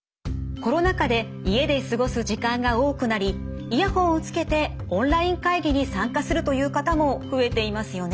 コロナ禍で家で過ごす時間が多くなりイヤホンをつけてオンライン会議に参加するという方も増えていますよね。